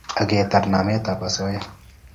Ak ketar nametab osoya